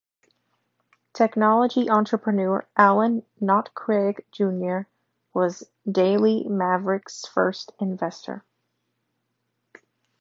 Technology entrepreneur Alan Knott-Craig Junior was "Daily Maverick"'s first investor.